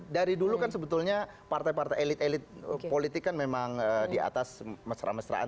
dari dulu kan sebetulnya partai partai elit elit politik kan memang di atas mesra mesraan